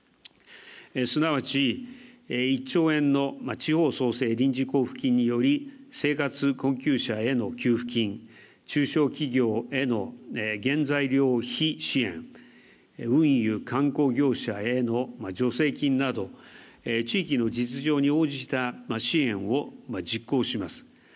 すなわち、１兆円の地方創生臨時交付金により生活困窮者への給付金、中小企業への原材料費支援、運輸、観光業者への助成金など、地域の実情に応じた支援を実行します。